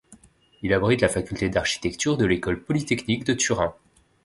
Il abrite la faculté d'architecture de l'École polytechnique de Turin.